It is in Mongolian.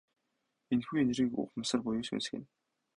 Энэхүү энергийг ухамсар буюу сүнс гэнэ.